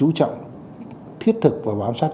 ưu trọng thiết thực và bám sát